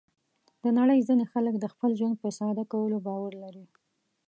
د نړۍ ځینې خلک د خپل ژوند په ساده کولو باور لري.